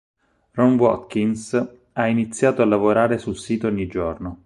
Ron Watkins ha iniziato a lavorare sul sito ogni giorno.